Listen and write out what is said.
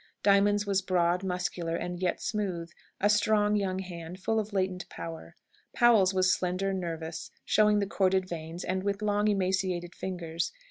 Diamond's was broad, muscular, and yet smooth a strong young hand, full of latent power. Powell's was slender, nervous, showing the corded veins, and with long emaciated fingers.